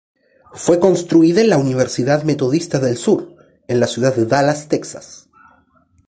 Fue construida en la Universidad Metodista del Sur, en la ciudad de Dallas, Texas.